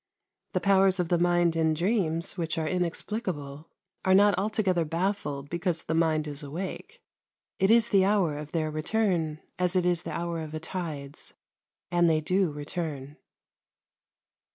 The powers of the mind in dreams, which are inexplicable, are not altogether baffled because the mind is awake; it is the hour of their return as it is the hour of a tide's, and they do return.